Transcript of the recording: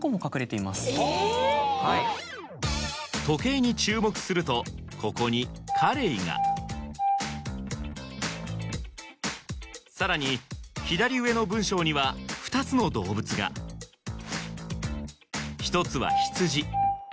時計に注目するとここに「カレイ」がさらに左上の文章には２つの動物が１つは「羊」